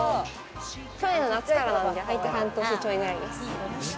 去年の夏からなんで、入って半年ちょいくらいです。